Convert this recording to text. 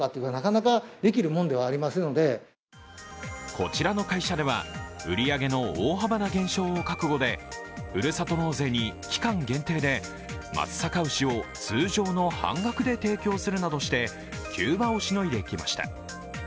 こちらの会社では、売り上げの大幅な減少を覚悟でふるさと納税に期間限定で松阪牛を通常の半額で提供するなどして急場をしのいできました。